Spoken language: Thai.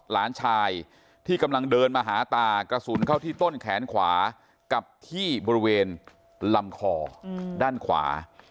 หลานชายที่กำลังเดินมาหาตากระสุนเข้าที่ต้นแขนขวากับที่บริเวณลำคอด้านขวา